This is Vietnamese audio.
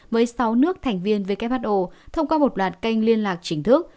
với sáu nước thành viên who thông qua một loạt kênh liên lạc chính thức